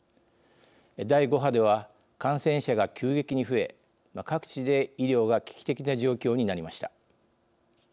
第５波では、感染者が急激に増え各地で医療が危機的な状況になりました。